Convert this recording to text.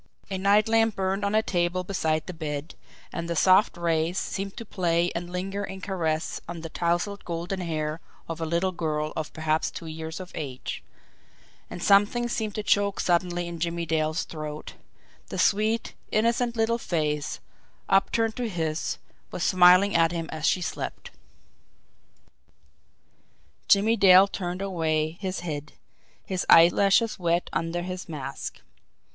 A night lamp burned on a table beside the bed, and the soft rays seemed to play and linger in caress on the tousled golden hair of a little girl of perhaps two years of age and something seemed to choke suddenly in Jimmie Dale's throat the sweet, innocent little face, upturned to his, was smiling at him as she slept. Jimmie Dale turned away his head his eyelashes wet under his mask.